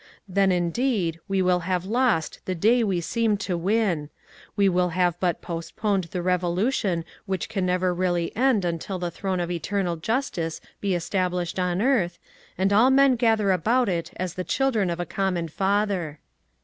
Then, indeed, we will have lost the day we seem to win ; we will have but postponed the revolution which can never really end until the throne of Eternal Justice be established on earth, and all men gather about it as the children of a common Father.